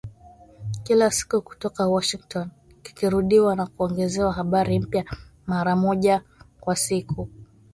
kila siku kutoka Washington, kikirudiwa na kuongezewa habari mpya, mara moja kwa siku